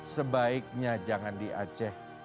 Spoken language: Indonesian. sebaiknya jangan di aceh